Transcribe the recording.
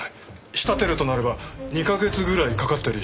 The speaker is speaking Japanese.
仕立てるとなれば２カ月ぐらいかかったりしますからね。